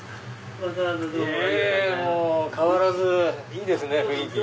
変わらずいいですね雰囲気。